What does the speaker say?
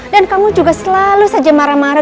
dan kamu juga selalu saja marah marah